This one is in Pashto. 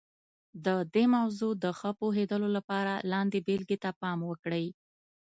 د دې موضوع د ښه پوهېدلو لپاره لاندې بېلګې ته پام وکړئ.